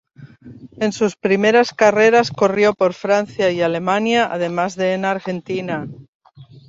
En sus primeras carreras corrió por Francia y Alemania, además de en Argentina.